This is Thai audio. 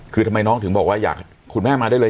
คือทำไมน้องถึงบอกว่าอยากคุณแม่มาได้เลย